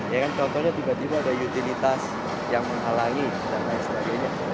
ya kan contohnya tiba tiba ada utilitas yang menghalangi dan lain sebagainya